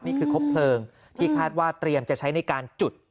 ครบเพลิงที่คาดว่าเตรียมจะใช้ในการจุด